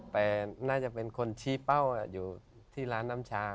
แต่น่าจะเป็นคนชี้เป้าอยู่ที่ร้านน้ำชา